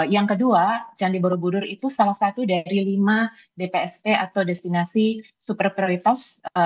yang kedua candi borobudur itu salah satu dari lima dpsp atau destinasi super prioritas